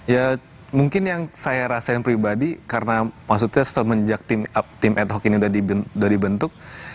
ya mungkin yang saya rasain pribadi karena maksudnya semenjak tim ad hoc ini sudah dibentuk